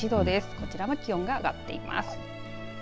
こちらも気温が上がっています。